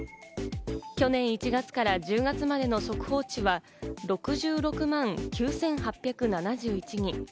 去年１月から１０月までの速報値は６６万９８７１人。